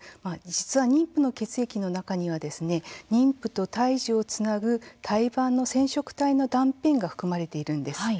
実は、妊婦の血液の中には妊婦と胎児をつなぐ胎盤の染色体の断片が含まれているんです。